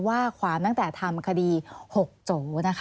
ว่าความตั้งแต่ธรรมคดีหกโจ